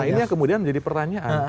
nah ini yang kemudian menjadi pertanyaan